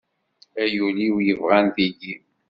Ay ul-iw yebɣan tigi.